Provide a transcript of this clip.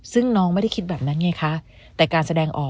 ซึ่งน้องไม่ได้คิดแบบนั้นไงคะ